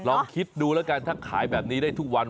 ลองคิดดูแล้วกันถ้าขายแบบนี้ได้ทุกวัน